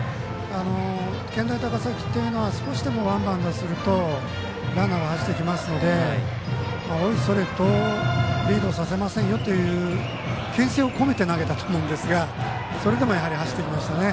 健大高崎というのは少しでもワンバウンドするとランナーが走ってきますのでおいそれとリードさせませんよというけん制を込めて投げたと思うんですがそれでもやはり走ってきましたね。